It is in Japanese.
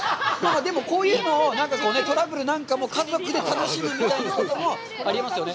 でも、こういうのをなんかトラブルなんかも家族で楽しむみたいなこともありますよね？